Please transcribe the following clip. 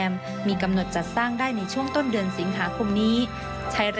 ช่วยให้สามารถสัมผัสถึงความเศร้าต่อการระลึกถึงผู้ที่จากไป